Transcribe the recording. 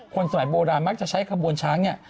สมัยโบราณมักจะใช้ขบวนช้างเนี่ย